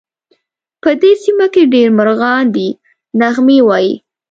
په دې سیمه کې ډېر مرغان دي نغمې وایې